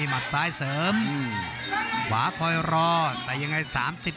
โหโหโหโหโหโหโหโหโห